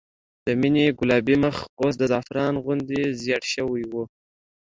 د مينې ګلابي مخ اوس د زعفران غوندې زېړ شوی و